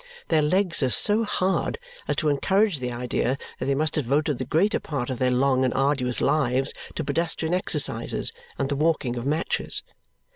Their legs are so hard as to encourage the idea that they must have devoted the greater part of their long and arduous lives to pedestrian exercises and the walking of matches.